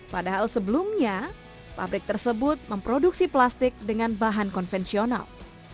padahal sebelumnya pabrik tersebut memproduksi plastik dengan bahan konvensional